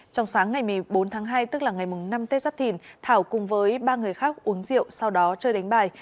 trong sáng ngày một mươi bốn tháng hai tức là ngày năm tết giáp thìn thảo cùng với ba người khác uống rượu sau đó chơi đánh bài